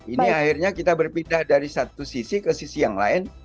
ini akhirnya kita berpindah dari satu sisi ke sisi yang lain